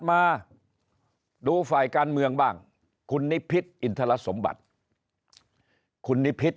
มาดูฝ่ายการเมืองบ้างคุณนิพิษอินทรสมบัติคุณนิพิษ